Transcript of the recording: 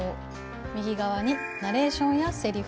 右側にナレーションやセリフ。